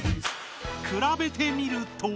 くらべてみると。